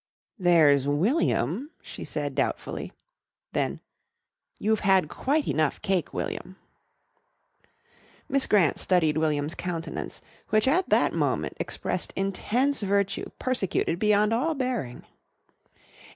"There's William," she said doubtfully. Then, "You've had quite enough cake, William." Miss Grant studied William's countenance, which at that moment expressed intense virtue persecuted beyond all bearing.